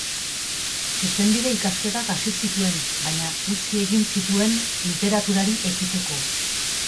Zuzenbide ikasketak hasi zituen, baina utzi egin zituen literaturari ekiteko.